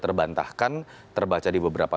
terbantahkan terbaca di beberapa